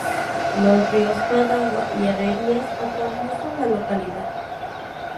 Los ríos Cadagua y Herrerías atraviesan la localidad.